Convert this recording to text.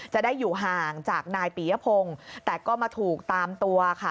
จะได้อยู่ห่างจากนายปียพงศ์แต่ก็มาถูกตามตัวค่ะ